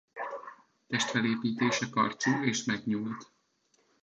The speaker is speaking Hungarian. Testfelépítése karcsú és megnyúlt.